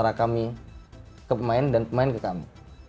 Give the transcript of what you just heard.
menyesuaikan antara kami ke pemain dan pemain ke kami